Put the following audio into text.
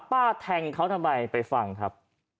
แทงเขาทำไมไปฟังครับ